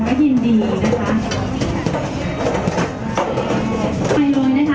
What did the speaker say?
ก็ไม่มีคนกลับมาหรือเปล่า